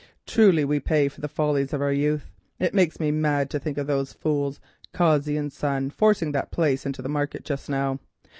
Truly we pay for the follies of our youth! It makes me mad to think of those fools Cossey and Son forcing that place into the market just now.